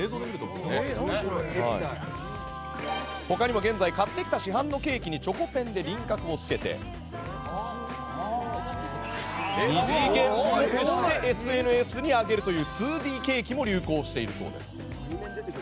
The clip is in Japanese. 他にも現在買ってきた市販のケーキにチョコペンで輪郭をつけて２次元っぽくしてＳＮＳに上げる２Ｄケーキも流行しているそうです。